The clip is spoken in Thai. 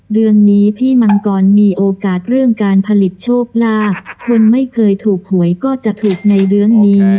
เดือนนี้พี่มังกรมีโอกาสเรื่องการผลิตโชคลาภคนไม่เคยถูกหวยก็จะถูกในเรื่องนี้